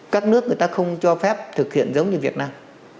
các nước người ta không cho phép thực hiện giống như việt nam